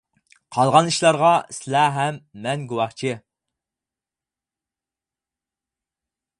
قالغان ئىشلارغا سىلە ھەم مەن گۇۋاھچى.